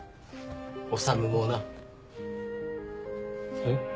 修もな。えっ？